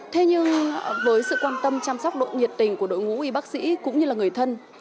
thế nhưng với sự quan tâm chăm sóc độ nhiệt tình của đội ngũ y bác sĩ cũng như là người thân